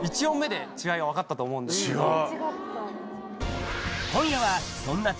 １音目で違いが分かったと思うんですけど。